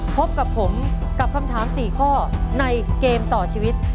พบกับผมกับคำถาม๔ข้อในเกมต่อชีวิต